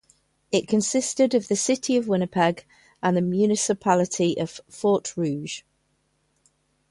It consisted of the city of Winnipeg and the municipality of Fort Rouge.